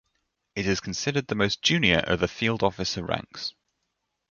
It is considered the most junior of the field officer ranks.